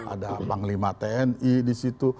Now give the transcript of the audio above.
ada panglima tni di situ